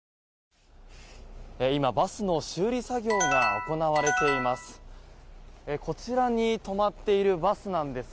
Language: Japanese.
今、バスの修理作業が行われています。